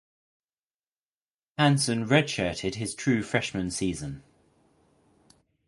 Hansen redshirted his true freshman season.